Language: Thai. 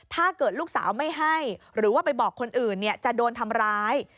ถ้าเกิดลูกสาวไม่ให้หรือว่าไปบอกคนอื่นจะโดนทำร้าย